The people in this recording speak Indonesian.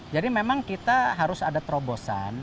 jadi memang kita harus ada terobosan